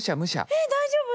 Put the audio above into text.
えっ大丈夫？